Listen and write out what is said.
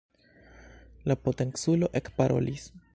La potenculo ekparolis.